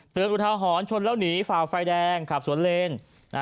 เตือนอุทาหอนชนแล้วหนีฝ่าไฟแดงขับสวนเลนส์นะ